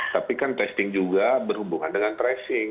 tapi kan testing juga berhubungan dengan tracing